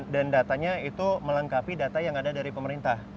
dan datanya itu melengkapi data yang ada dari pemerintah